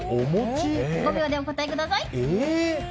５秒でお答えください。